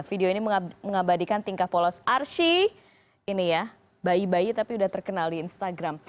video ini mengabadikan tingkah polos arsy ini ya bayi bayi tapi udah terkenal di instagram